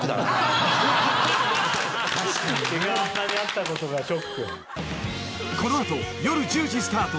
毛があんなにあったことがショック。